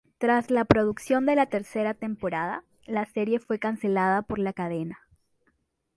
Tras la producción de la tercera temporada, la serie fue cancelada por la cadena.